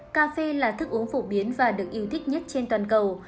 cà phê là thức uống phổ biến và được yêu thích nhất trên toàn cầu